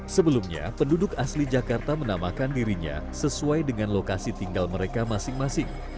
sebelumnya penduduk asli jakarta menamakan dirinya sesuai dengan lokasi tinggal mereka masing masing